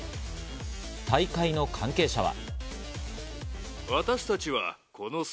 大会の関係者は。